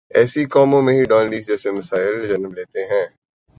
ایسی قوموں میں ہی ڈان لیکس جیسے مسائل جنم لیتے ہیں۔